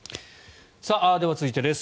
では、続いてです。